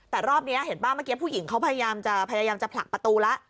แต่รอบนี้เห็นป่ะเมือกี้ผู้หญิงพยายามจะผลักประตูละ